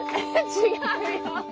違うよ！